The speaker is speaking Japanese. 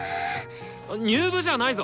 入部じゃないぞ！